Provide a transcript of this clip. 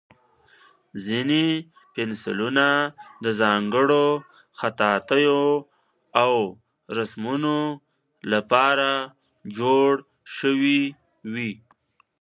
ځینې پنسلونه د ځانګړو خطاطیو او رسمونو لپاره جوړ شوي وي.